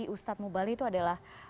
ustad mubalih itu adalah